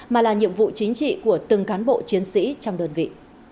mà là nhiệm vụ chính trị của từng cán bộ chiến sĩ trong đơn vị